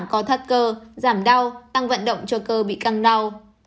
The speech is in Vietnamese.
thuốc giảm cơ có thất cơ giảm đau tăng vận động cho cơ bị căng đau